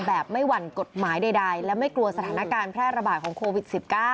แบบไม่หวั่นกฎหมายใดและไม่กลัวสถานการณ์แพร่ระบาดของโควิด๑๙